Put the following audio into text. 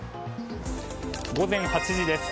午前８時です。